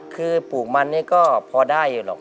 คือปลูกมันนี่ก็พอได้อยู่หรอก